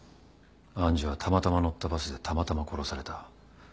愛珠はたまたま乗ったバスでたまたま殺された。